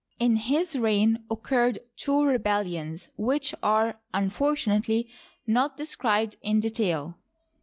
, In his reign occurred two rebellions, which are, unfortu nately, not described in detail.